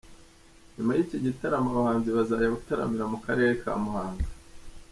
Nyuma y’iki gitaramo abahanzi bazajya gutaramira mu Karere ka Muhanga.